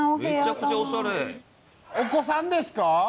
お子さんですか？